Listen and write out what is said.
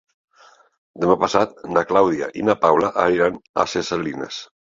Demà passat na Clàudia i na Paula aniran a Ses Salines.